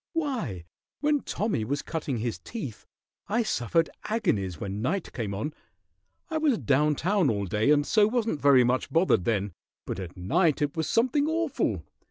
Why, when Tommy was cutting his teeth I suffered agonies when night came on. I was down town all day, and so wasn't very much bothered then, but at night it was something awful.